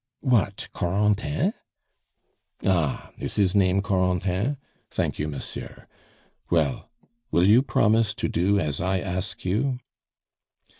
"What, Corentin?" "Ah! Is his name Corentin? Thank you, monsieur. Well, will you promise to do as I ask you?"